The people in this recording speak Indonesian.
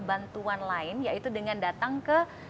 bantuan lain yaitu dengan datang ke